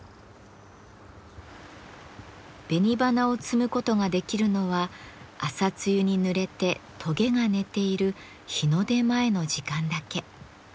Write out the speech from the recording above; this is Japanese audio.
紅花を摘むことができるのは朝露にぬれてトゲが寝ている日の出前の時間だけ。